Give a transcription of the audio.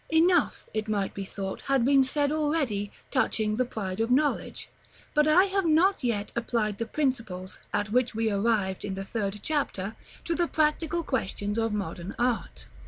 Enough, it might be thought, had been said already, touching the pride of knowledge; but I have not yet applied the principles, at which we arrived in the third chapter, to the practical questions of modern art.